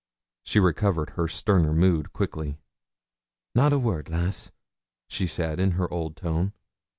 She recovered her sterner mood quickly 'Not a word, lass,' she said, in her old tone.